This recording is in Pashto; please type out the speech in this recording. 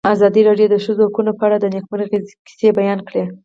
ازادي راډیو د د ښځو حقونه په اړه د نېکمرغۍ کیسې بیان کړې.